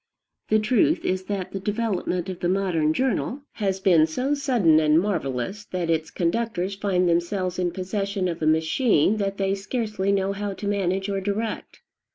The truth is that the development of the modern journal has been so sudden and marvelous that its conductors find themselves in possession of a machine that they scarcely know how to manage or direct.